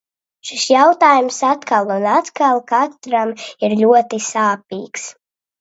Šis jautājums atkal un atkal katram ir ļoti sāpīgs.